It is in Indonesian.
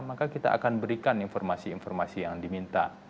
maka kita akan berikan informasi informasi yang diminta